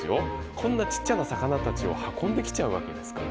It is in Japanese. こんなちっちゃな魚たちを運んできちゃうわけですから。